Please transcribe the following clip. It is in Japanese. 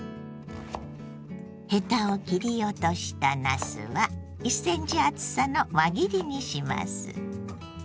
ヘタを切り落としたなすは１ｃｍ厚さの輪切りにします。